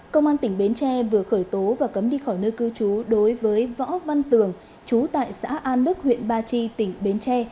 công an tỉnh bến tre vừa khởi tố và cấm đi khỏi nơi cư trú đối với võ văn tường chú tại xã an đức huyện ba chi tỉnh bến tre